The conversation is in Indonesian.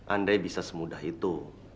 andai bisa semudah itu